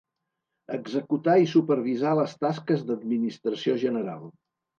Executar i supervisar les tasques d'administració general.